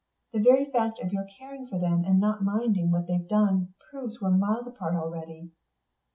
The very fact of your caring for them and not minding what they've done, proves we're miles apart really."